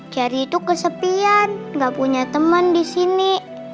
cherry tuh kesepian gak punya temen disini